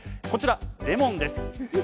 こちらレモンです。